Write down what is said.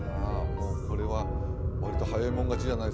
もうこれは割と早い者勝ちじゃないですか？